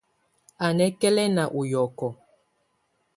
Á nà ǝkɛ̀lǝ̀na ù yɔ̀kɔ̀.